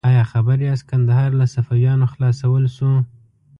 ایا خبر یاست کندهار له صفویانو خلاصول شو؟